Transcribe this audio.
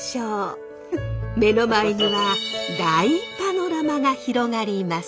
目の前には大パノラマが広がります。